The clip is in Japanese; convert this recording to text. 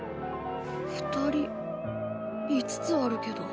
２人５つあるけど。